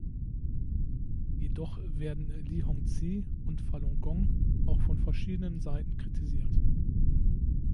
Jedoch werden Li Hongzhi und Falun Gong auch von verschiedenen Seiten kritisiert.